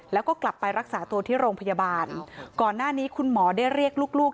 แล้วก็กลับไปรักษาตัวที่โรงพยาบาลก่อนหน้านี้คุณหมอได้เรียกลูกลูก